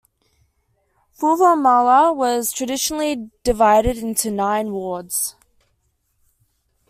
Fuvahmulah was traditionally divided into nine wards.